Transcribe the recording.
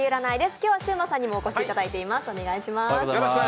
今日はシウマさんにもお越しいただいています。